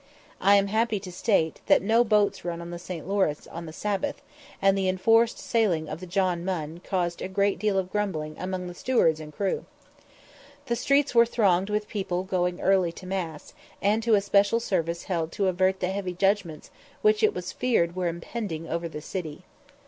I am happy to state that no boats run on the St. Lawrence on the Sabbath, and the enforced sailing of the John Munn caused a great deal of grumbling among the stewards and crew. The streets were thronged with people going to early mass, and to a special service held to avert the heavy judgments which it was feared were impending over the city.